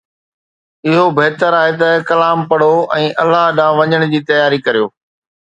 اھو بھتر آھي ته ڪلام پڙھو ۽ الله ڏانھن وڃڻ جي تياري ڪريو